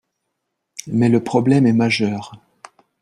mais le problème est majeur